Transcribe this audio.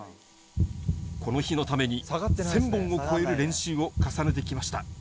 この日のために１０００本を超える練習を重ねてきました。